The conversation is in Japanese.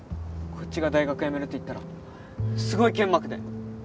こっちが大学やめるって言ったらすごい剣幕で。